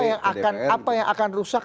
apa yang akan rusak